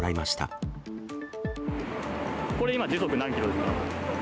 これ今、時速何キロですか？